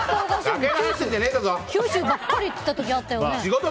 九州ばっかり行ってた時あったよね。